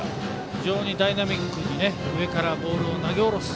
非常にダイナミックに上からボールを投げ下ろす。